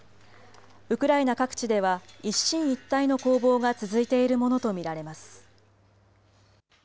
ウクライナ各地では、一進一退の攻防が続いているものと見られます。